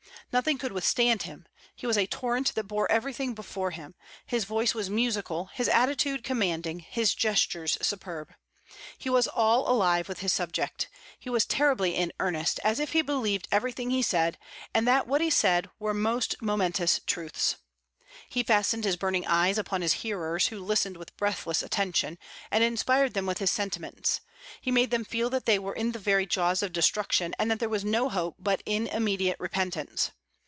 Nothing could withstand him; he was a torrent that bore everything before him. His voice was musical, his attitude commanding, his gestures superb. He was all alive with his subject. He was terribly in earnest, as if he believed everything he said, and that what he said were most momentous truths. He fastened his burning eyes upon his hearers, who listened with breathless attention, and inspired them with his sentiments; he made them feel that they were in the very jaws of destruction, and that there was no hope but in immediate repentance.